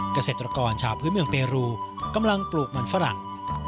เกษตรกรชาวพื้นเมืองเปรูกำลังปลูกมันฝรั่ง